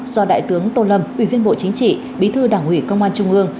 do đại tướng tô lâm ủy viên bộ chính trị bí thư đảng ủy công an trung ương